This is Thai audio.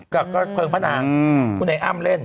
ก็เพลิงพระนางคุณไอ้อ้ำเล่น